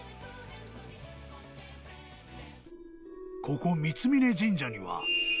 ［ここ三峯神社には］